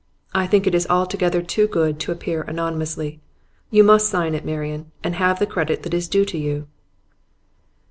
I think it is altogether too good to appear anonymously. You must sign it, Marian, and have the credit that is due to you.